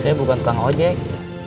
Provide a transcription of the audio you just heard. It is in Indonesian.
saya bukan tukang ojek